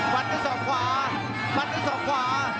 ฟันที่สองขวาฟันที่สองขวา